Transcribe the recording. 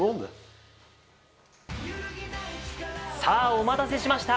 お待たせしました。